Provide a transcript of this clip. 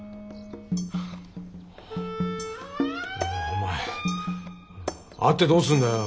お前会ってどうすんだよ。